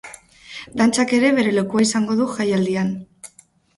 Dantzak ere, bere lekua izango du jaialdian.